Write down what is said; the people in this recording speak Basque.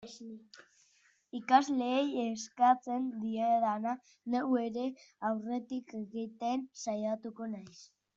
Ikasleei eskatzen diedana, neu ere aurretik egiten saiatuko naiz.